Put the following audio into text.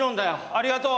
ありがとう！